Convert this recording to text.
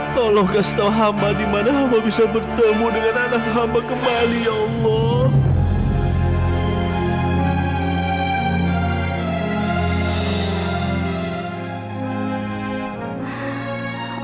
tolong kasih tau hamba dimana hamba bisa bertemu dengan anak hamba kembali ya allah